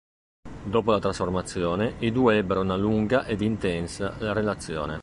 Dopo la trasformazione i due ebbero una lunga ed intensa relazione.